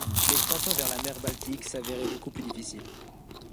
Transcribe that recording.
L'expansion vers la mer Baltique s'avérait beaucoup plus difficile.